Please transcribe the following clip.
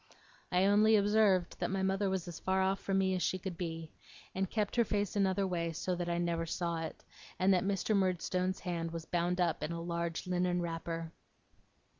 I only observed that my mother was as far off from me as she could be, and kept her face another way so that I never saw it; and that Mr. Murdstone's hand was bound up in a large linen wrapper.